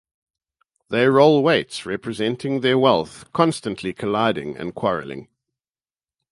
They roll weights representing their wealth, constantly colliding and quarreling.